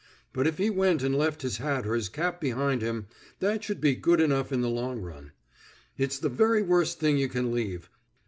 But if he went and left his hat or his cap behind him, that should be good enough in the long run. It's the very worst thing you can leave.